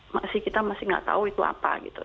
masih kita masih gak tau itu apa gitu